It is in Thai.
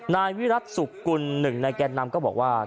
นายวิรัติสุขกุลหนึ่งในแก่นำก็บอกว่า